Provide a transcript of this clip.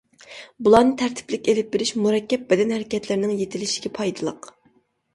بۇلارنى تەرتىپلىك ئېلىپ بېرىش مۇرەككەپ بەدەن ھەرىكەتلىرىنىڭ يېتىلىشىگە پايدىلىق.